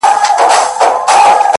ته چي قدمونو كي چابكه سې _